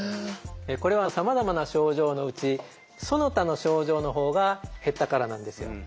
これはさまざまな症状のうちその他の症状のほうが減ったからなんですよ。